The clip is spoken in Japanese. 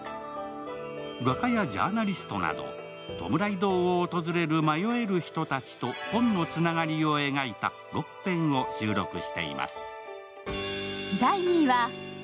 画家やジャーナリストなど弔堂を訪れる迷える人たちと本のつながりを描いた６編を収録しています。